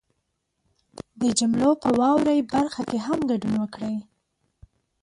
د جملو په واورئ برخه کې هم ګډون وکړئ